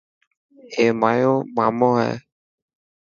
اي مايو مامو هي.